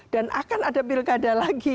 dan akan ada pilkada lagi